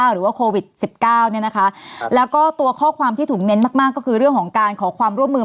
หรือว่าโควิดสิบเก้าเนี่ยนะคะแล้วก็ตัวข้อความที่ถูกเน้นมากมากก็คือเรื่องของการขอความร่วมมือ